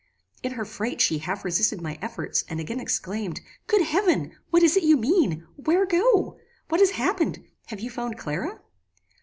"In her fright she half resisted my efforts, and again exclaimed, 'Good heaven! what is it you mean? Where go? What has happened? Have you found Clara?"